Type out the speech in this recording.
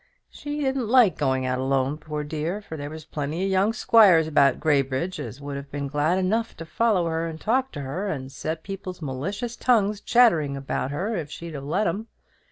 She didn't like going out alone, poor dear; for there was plenty of young squires about Graybridge as would have been glad enough to follow her and talk to her, and set people's malicious tongues chattering about her, if she'd have let 'em.